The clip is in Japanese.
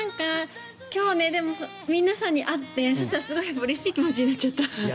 今日、皆さんに会ってそうしたらすごいうれしい気持ちになっちゃった。